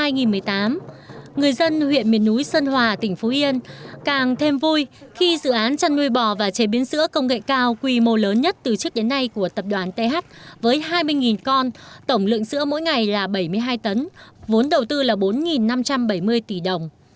năm hai nghìn một mươi tám người dân huyện miền núi sơn hòa tỉnh phú yên càng thêm vui khi dự án chăn nuôi bò và chế biến sữa công nghệ cao quy mô lớn nhất từ trước đến nay của tập đoàn th với hai mươi con tổng lượng sữa mỗi ngày là bảy mươi hai tấn vốn đầu tư là bốn năm trăm bảy mươi tỷ đồng